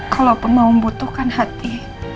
kalau pemom butuhkan hati